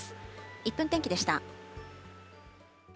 １分天気でした。